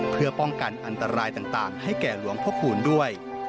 เพื่อป้องกันอันตรายต่างให้แก่หลวงพระคูณด้วย